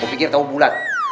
gue pikir tau bulat